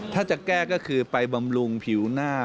ถ้าจะแก้ก็คือไปบำรุงผิวหน้า